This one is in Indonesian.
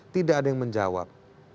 tidak ada yang menjawab